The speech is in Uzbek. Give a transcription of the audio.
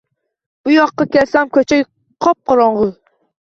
Bu yoqqa kelsam, ko`cha qop-qorong`u